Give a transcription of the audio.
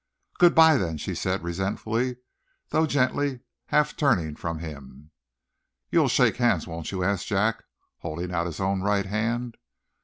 "Good bye, then!" she said, resentfully, though gently, half turning from him. "You'll shake hands, won't you?" asked Jack, holding out his own right hand.